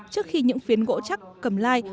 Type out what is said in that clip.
trước khi những phiến gỗ chắc cầm lai